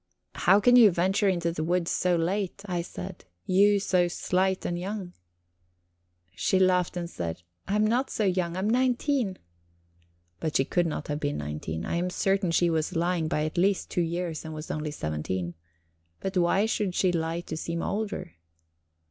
"How can you venture into the woods so late?" I said "you so slight and young?" She laughed, and said: "I am not so young I am nineteen." But she could not be nineteen; I am certain she was lying by at least two years, and was only seventeen. But why should she lie to seem older?